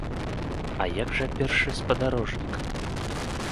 А як жа першы спадарожнік?